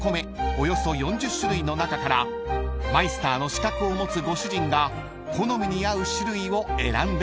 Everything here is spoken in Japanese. およそ４０種類の中からマイスターの資格を持つご主人が好みに合う種類を選んでくれます］